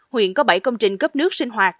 huyện có bảy công trình cấp nước sinh hoạt